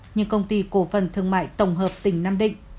nhưng công ty cổ phần thương mại tổng hợp tỉnh nam định